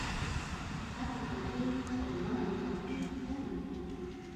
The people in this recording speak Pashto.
د خټو کوټې د لمر له تودوخې ګرمې دي.